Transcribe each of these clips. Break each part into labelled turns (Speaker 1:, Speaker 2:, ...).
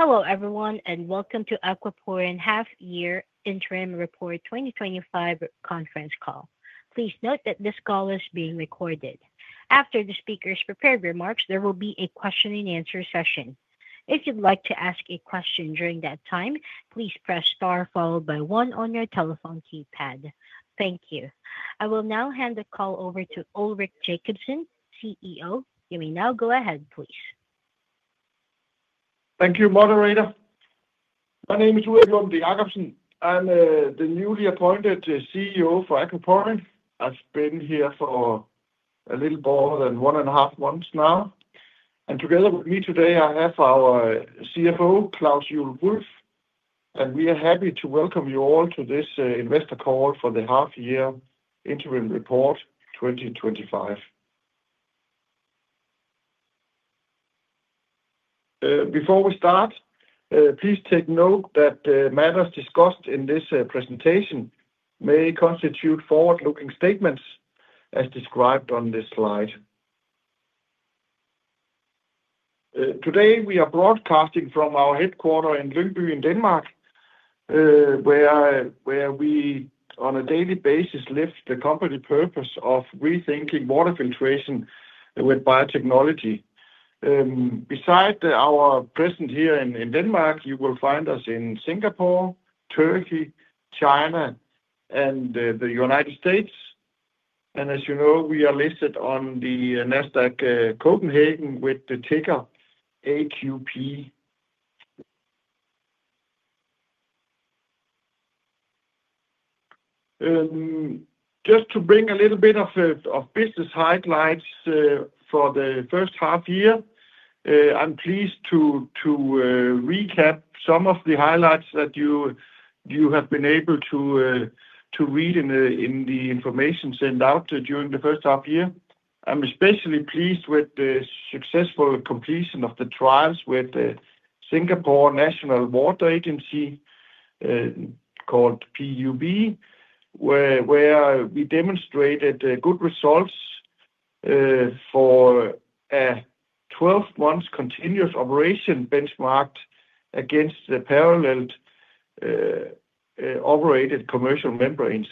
Speaker 1: Hello everyone, and welcome to Aquaporin's Half-Year Interim Report 2025 Conference Call. Please note that this call is being recorded. After the speakers prepare remarks, there will be a question-and-answer session. If you'd like to ask a question during that time, please press Star followed by one on your telephone keypad. Thank you. I will now hand the call over to Ulrik Jakobsen, CEO. You may now go ahead, please.
Speaker 2: Thank you, moderator. My name is Ulrik Lund Jakobsen. I'm the newly appointed CEO for Aquaporin. I've been here for a little more than one and a half months now. Together with me today, I have our CFO, Klaus Juhl Wulff. We are happy to welcome you all to this investor call for the Half-Year Interim Report 2025. Before we start, please take note that the matters discussed in this presentation may constitute forward-looking statements, as described on this slide. Today, we are broadcasting from our headquarters in Lyngby in Denmark, where we, on a daily basis, lift the company's purpose of rethinking water filtration with biotechnology. Besides our presence here in Denmark, you will find us in Singapore, Turkey, China, and the United States. As you know, we are listed on the Nasdaq Copenhagen with the ticker AQP. Just to bring a little bit of business highlights for the first half year, I'm pleased to recap some of the highlights that you have been able to read in the information sent out during the first half year. I'm especially pleased with the successful completion of the trials with Singapore’s National Water Agency, code PUB. Where we demonstrated good results for a 12-month continuous operation benchmarked against the parallel operated commercial membranes.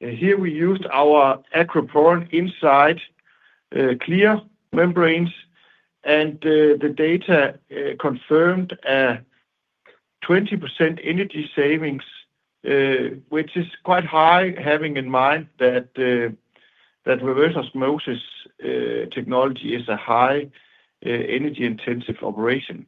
Speaker 2: Here, we used our Aquaporin Inside CLEAR membranes, and the data confirmed a 20% energy savings, which is quite high, having in mind that reverse osmosis technology is a high energy-intensive operation.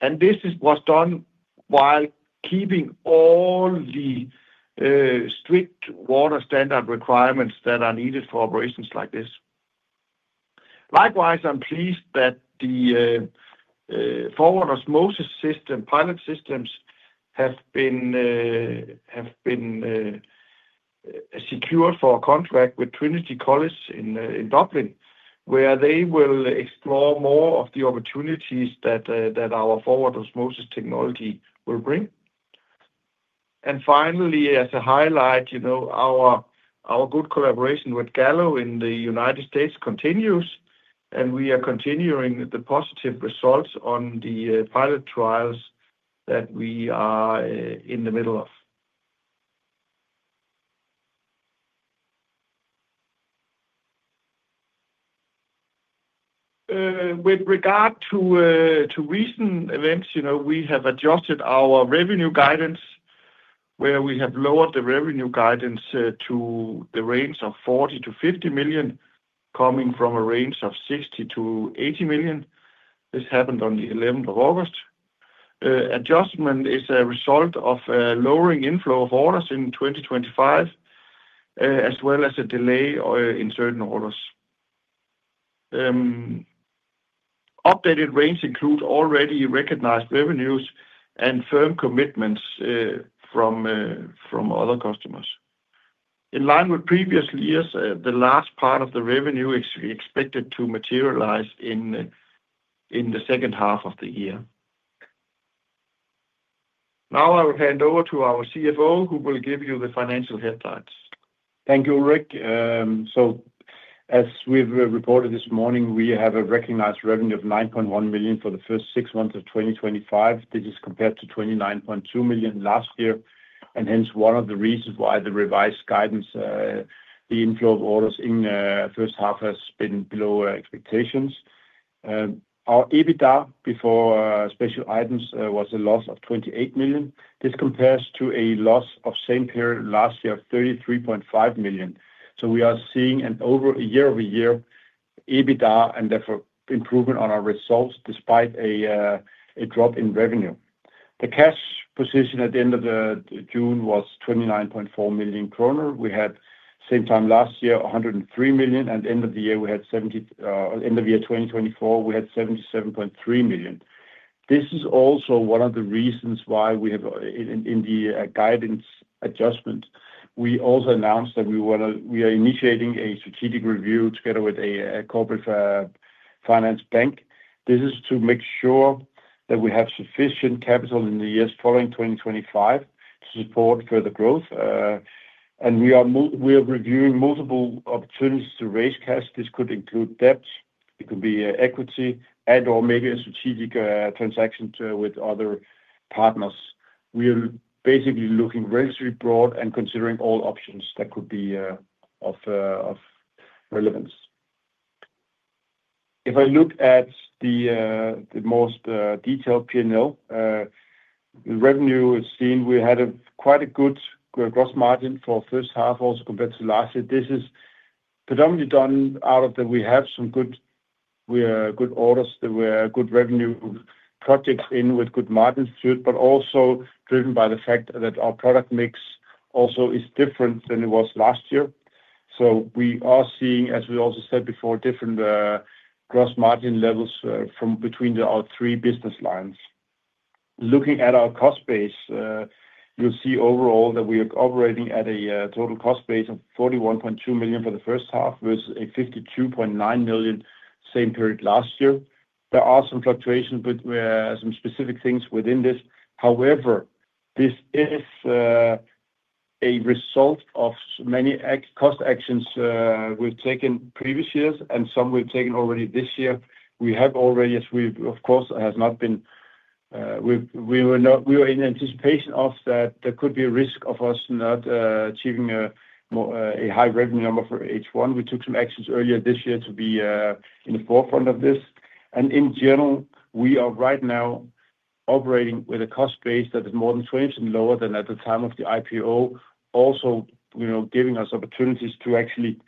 Speaker 2: This was done while keeping all the strict water standard requirements that are needed for operations like this. Likewise, I'm pleased that the forward osmosis pilot systems have been secured for a contract with Trinity College in Dublin, where they will explore more of the opportunities that our forward osmosis technology will bring. Finally, as a highlight, you know our good collaboration with Gallo in the United States continues, and we are continuing the positive results on the pilot trials that we are in the middle of. With regard to recent events, you know we have adjusted our revenue guidance, where we have lowered the revenue guidance to the range of 40 million-50 million, coming from a range of 60 million-80 million. This happened on the 11th of August. The adjustment is a result of a lowering inflow of orders in 2025, as well as a delay in certain orders. The updated range includes already recognized revenues and firm commitments from other customers. In line with previous years, the large part of the revenue is expected to materialize in the second half of the year. Now, I will hand over to our CFO, who will give you the financial headlines.
Speaker 3: Thank you, Ulrik. As we've reported this morning, we have a recognized revenue of 9.1 million for the first six months of 2025. This is compared to 29.2 million last year, and hence one of the reasons why the revised guidance, the inflow of orders in the first half, has been below expectations. Our EBITDA before special items was a loss of 28 million. This compares to a loss in the same period last year of 33.5 million. We are seeing a year-over-year EBITDA improvement on our results despite a drop in revenue. The cash position at the end of June was 29.4 million kroner. We had, at the same time last year, 103 million, and at the end of year 2024, we had 77.3 million. This is also one of the reasons why we have, in the guidance adjustment, announced that we are initiating a strategic review together with a corporate finance bank. This is to make sure that we have sufficient capital in the years following 2025 to support further growth. We are reviewing multiple opportunities to raise cash. This could include debt. It could be equity and/or maybe a strategic transaction with other partners. We are basically looking relatively broad and considering all options that could be of relevance. If I look at the most detailed P&L, the revenue is seen. We had quite a good gross margin for the first half, also compared to last year. This is predominantly due to the fact that we have some good orders that were good revenue projects with good margins to them, but also driven by the fact that our product mix is different than it was last year. We are seeing, as we also said before, different gross margin levels between our three business lines. Looking at our cost base, you'll see overall that we are operating at a total cost base of 41.2 million for the first half versus 52.9 million in the same period last year. There are some fluctuations with some specific things within this. However, this is a result of many cost actions we've taken in previous years and some we've taken already this year. We have already, as we, of course, have not been, we were not, we were in anticipation that there could be a risk of us not achieving a high revenue number for H1. We took some actions earlier this year to be in the forefront of this. In general, we are right now operating with a cost base that is more than 20% lower than at the time of the IPO, also giving us opportunities to actually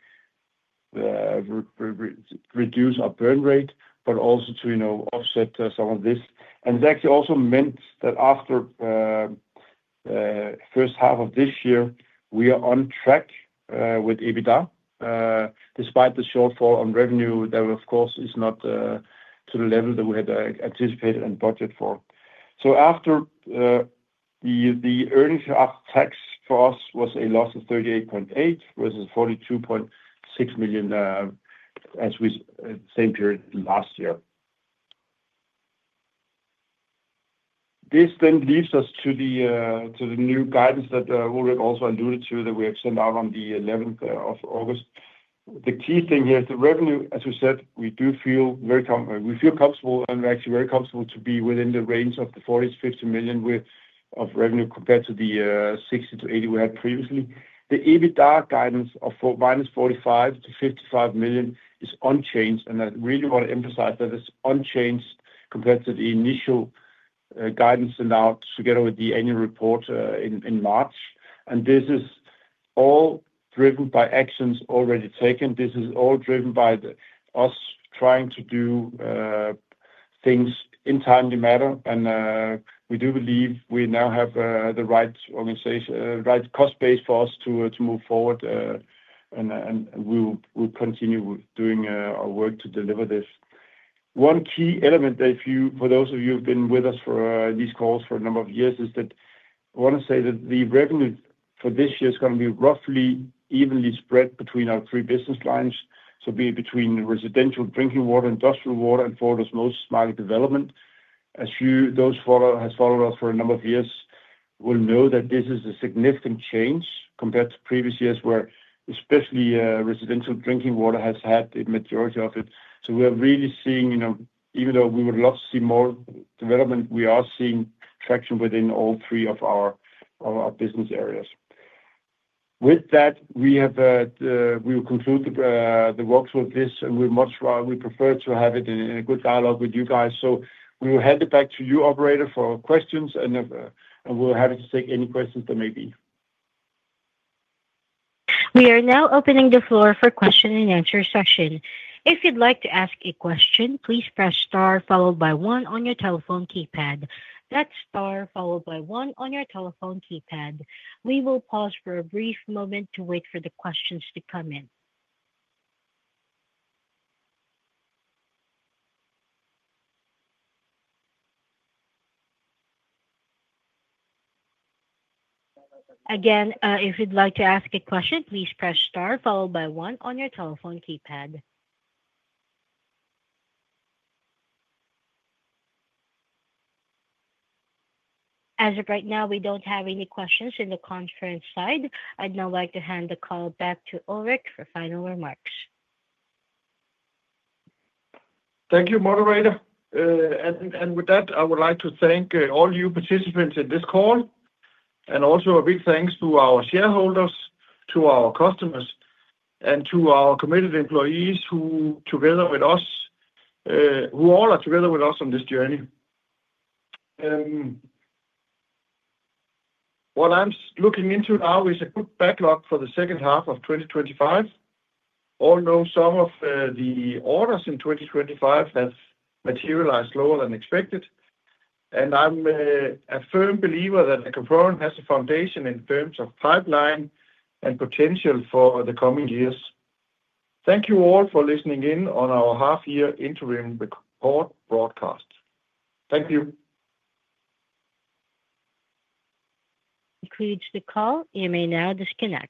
Speaker 3: reduce our burn rate, but also to offset some of this. It actually also meant that after the first half of this year, we are on track with EBITDA, despite the shortfall on revenue that, of course, is not to the level that we had anticipated and budgeted for. After the earnings tax for us was a loss of 38.8 million versus 42.6 million as we saw in the same period last year. This then leads us to the new guidance that we will also allude to that we actually sent out on the 11th of August. The key thing here is the revenue, as we said, we do feel very comfortable and we're actually very comfortable to be within the range of the 40 million-50 million of revenue compared to the 60 million-80 million we had previously. The EBITDA guidance of minus 45 million-55 million is unchanged, and I really want to emphasize that it's unchanged compared to the initial guidance sent out together with the annual report in March. This is all driven by actions already taken. This is all driven by us trying to do things in a timely manner. We do believe we now have the right organization, the right cost base for us to move forward, and we will continue doing our work to deliver this. One key element, for those of you who have been with us for these calls for a number of years, is that I want to say that the revenue for this year is going to be roughly evenly spread between our three business lines, so being between residential drinking water, industrial water, and market development. Those who have followed us for a number of years will know that this is a significant change compared to previous years where especially residential drinking water has had a majority of it. We are really seeing, even though we would love to see more development, we are seeing traction within all three of our business areas. With that, we will conclude the workshop with this, and we would much rather prefer to have it in a good dialogue with you guys. We will hand it back to you, operator, for questions, and we're happy to take any questions there may be.
Speaker 1: We are now opening the floor for the question-and-answer session. If you'd like to ask a question, please press Star followed by one on your telephone keypad. That's Star followed by one on your telephone keypad. We will pause for a brief moment to wait for the questions to come in. Again, if you'd like to ask a question, please press Star followed by one on your telephone keypad. As of right now, we don't have any questions on the conference side. I'd now like to hand the call back to Ulrik for final remarks.
Speaker 2: Thank you, moderator. With that, I would like to thank all you participants in this call, and also a big thanks to our shareholders, to our customers, and to our committed employees who are together with us on this journey. What I'm looking into now is a good backlog for the second half of 2025. Although some of the orders in 2025 have materialized lower than expected, I'm a firm believer that Aquaporin has a foundation in terms of pipeline and potential for the coming years. Thank you all for listening in on our Half-Year Interim Report Broadcast. Thank you.
Speaker 1: Concludes the call. You may now disconnect.